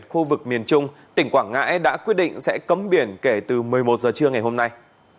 khu vực miền trung tỉnh quảng ngãi đã quyết định sẽ cấm biển kể từ một mươi một giờ trưa ngày hôm nay